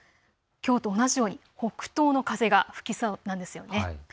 きょうと同じように北東の風が吹きそうなんです。